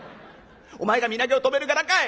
「お前が身投げを止める柄かい！